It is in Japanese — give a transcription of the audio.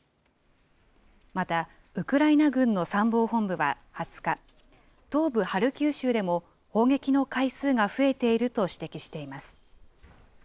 また、ウクライナ軍の参謀本部は２０日、東部ハルキウ州でも砲撃の回数が増えていると指摘しています。